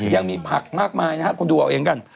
ยังมีผักมากมายนะครับคุณดูเอาเองกัน